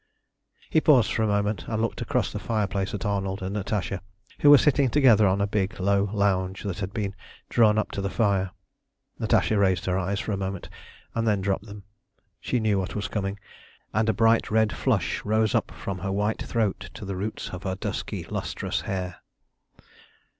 He paused for a moment and looked across the fireplace at Arnold and Natasha, who were sitting together on a big, low lounge that had been drawn up to the fire. Natasha raised her eyes for a moment and then dropped them. She knew what was coming, and a bright red flush rose up from her white throat to the roots of her dusky, lustrous hair.